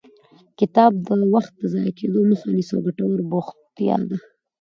کتاب د وخت د ضایع کېدو مخه نیسي او ګټور بوختیا ده.